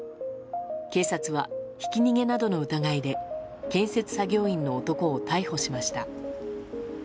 警察は、ひき逃げなどの疑いで建設作業員の男を逮捕しました。